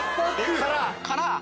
「から」